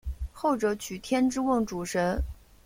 后者娶天之瓮主神。